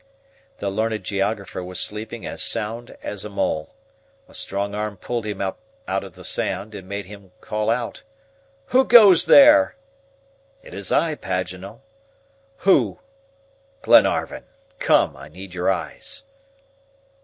The learned geographer was sleeping as sound as a mole. A strong arm pulled him up out of the sand and made him call out: "Who goes there?" "It is I, Paganel." "Who?" "Glenarvan. Come, I need your eyes."